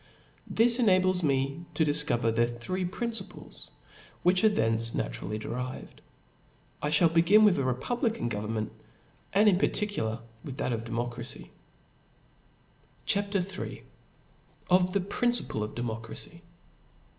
This enables me to difcover their three principles ; which are naturally derived from thence. I ihall begin with a republican government, and in particular with that of de« irtocracy. CHAP. III. Of the Principle of Democracy.